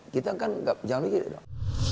kita kan jangan mikir dong